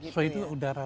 shui itu udara